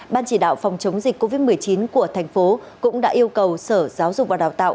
ban chỉ đạo phòng chống dịch covid một mươi chín của thành phố cũng đã yêu cầu sở giáo dục và đào tạo